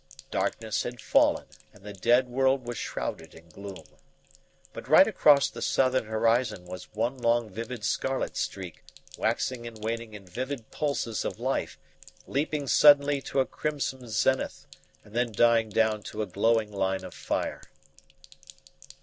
Darkness had fallen and the dead world was shrouded in gloom. But right across the southern horizon was one long vivid scarlet streak, waxing and waning in vivid pulses of life, leaping suddenly to a crimson zenith and then dying down to a glowing line of fire.